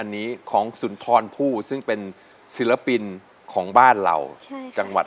เป็นบทกรรมที่สมัยเล็กอาคารก็ได้